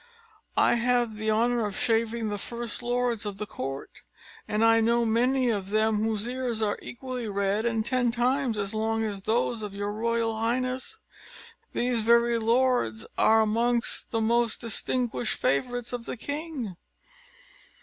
I have the honour of shaving the first lords of the court, and I know many of them whose ears are equally red and ten times as long as those of your royal highness. These very lords are amongst the most distinguished favourites of the king."